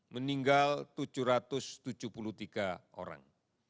meninggal tujuh ratus tujuh puluh tiga orang